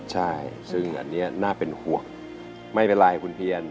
ใช่ซึ่งอันนี้น่าเป็นห่วงไม่เป็นไรคุณเพียน